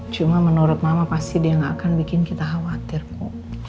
cuma menurut mama pasti dia gak akan bikin kita khawatir kok